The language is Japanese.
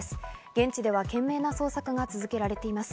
現地では懸命な捜索が続けられています。